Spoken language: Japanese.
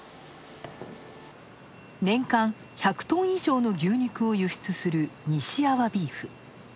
年間１００トン以上の牛肉を輸出するにし阿波ビーフ。